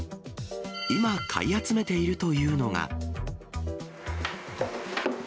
今買い集めているというのが。